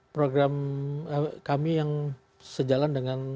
program kami yang sejalan dengan